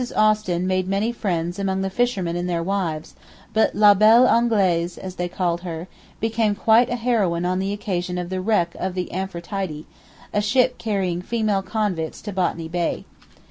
Austin made many friends among the fishermen and their wives, but 'la belle Anglaise,' as they called her, became quite a heroine on the occasion of the wreck of the Amphitrite, a ship carrying female convicts to Botany Bay.